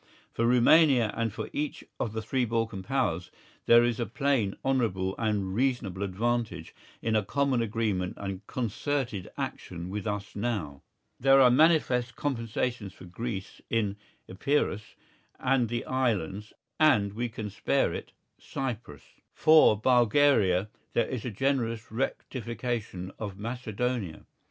For Rumania and for each of the three Balkan Powers, there is a plain, honourable and reasonable advantage in a common agreement and concerted action with us now. There are manifest compensations for Greece in Epirus and the islands and—we can spare it—Cyprus. For Bulgaria there is a generous rectification of Macedonia.